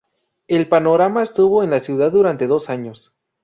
El panorama estuvo en la ciudad durante dos años.